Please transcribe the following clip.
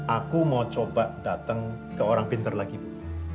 aku mau coba datang ke orang pintar lagi bu